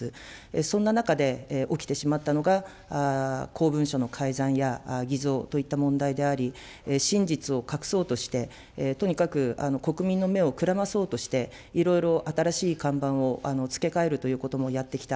そんな中で起きてしまったのが、公文書の改ざんや偽造といった問題であり、真実を隠そうとして、とにかく国民の目をくらまそうとして、いろいろ新しい看板を付け替えるということもやってきた。